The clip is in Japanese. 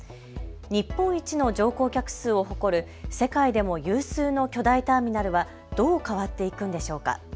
日本一の乗降客数を誇る世界でも有数の巨大ターミナルはどう変わっていくんでしょうか。